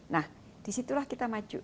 nah disitulah kita maju